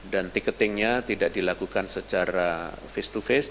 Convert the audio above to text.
dan tiketingnya tidak dilakukan secara face to face